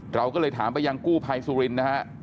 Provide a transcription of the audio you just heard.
เราก็เลยถามไปยังกู้ภัยสุรินทร์นะฮะ